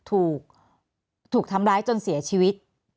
แอนตาซินเยลโรคกระเพาะอาหารท้องอืดจุกเสียดแสบร้อน